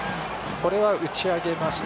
これは打ち上げました。